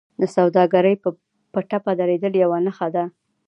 د سوداګرۍ په ټپه درېدل یوه نښه ده